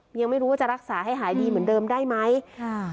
ยังไม่รู้ว่าจะรักษาให้หายดีเหมือนเดิมได้ไหมค่ะ